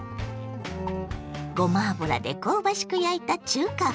ごま油で香ばしく焼いた中華風ソテー。